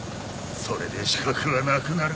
それで死角はなくなる！